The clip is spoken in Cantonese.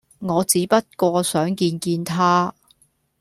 我只不過想見見她